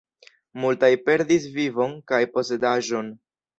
Multaj perdis vivon kaj posedaĵon.